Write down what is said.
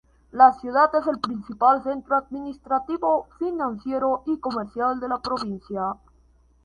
La ciudad es el principal centro administrativo, financiero, y comercial de la provincia.